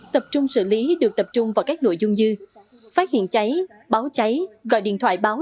tập trung xử lý được tập trung vào các nội dung như phát hiện cháy báo cháy gọi điện thoại báo